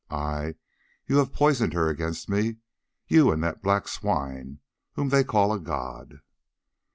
Ay! you have poisoned her against me, you and that black swine whom they call a god.